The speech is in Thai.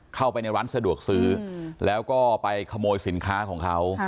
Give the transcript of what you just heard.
เข้าไปในร้านสะดวกซื้อแล้วก็ไปขโมยสินค้าของเขา